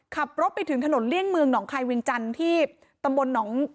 ขับรถไปถึงถนนเลี่ยงเมืองหนองคายวิงจันทร์